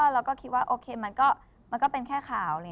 เราก็คิดว่าโอเคมันก็เป็นแค่ข่าว